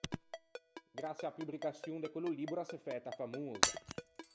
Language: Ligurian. Graçie a-a pubricaçion de quello libbro a s’é fæta famosa.